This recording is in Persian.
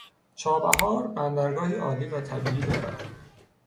چابهار بندرگاهی عالی و طبیعی دارد.